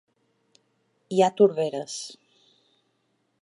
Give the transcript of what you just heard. Hi ha torberes.